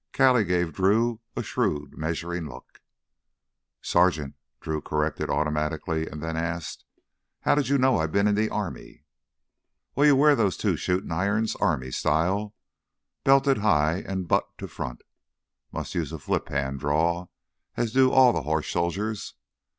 Callie gave Drew a shrewd measuring look. "Sergeant." Drew corrected automatically and then asked: "How did you know I'd been in the army?" "Well, you wear them two shootin' irons army style, belted high an' butt to front. Must use a flip hand draw as do all th' hoss soldiers.